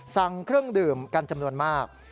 สั่งเครื่องดื่มกันจำนวนมาก